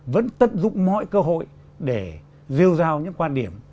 vẫn tận dụng mọi cơ hội để rêu rao những quan điểm